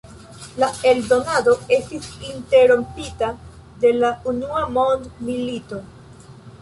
La eldonado estis interrompita de la Unua Mondmilito.